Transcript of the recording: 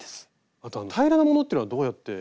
あと平らなものっていうのはどうやって測って？